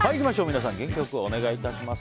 皆さん元気よくお願いします。